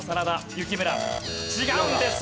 違うんです。